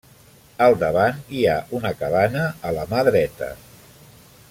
Al davant hi ha una cabana a la mà dreta.